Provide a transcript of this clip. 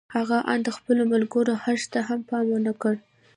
هغه آن د خپلو ملګرو حرص ته هم پام و نه کړ.